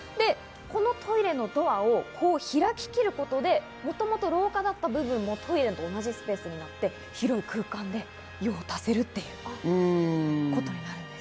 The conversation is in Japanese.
このトイレのドアを開ききることでもともと廊下だった部分もトイレと同じスペースになって広いスペースで用を足せるということになるんです。